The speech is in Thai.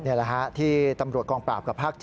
นี่แหละฮะที่ตำรวจกองปราบกับภาค๗